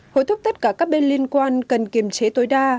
hối thúc tất cả các bên liên quan cần kiềm chế tối đa